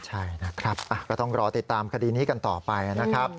ใช่นะครับก็ต้องรอติดตามคดีนี้กันต่อไปนะครับ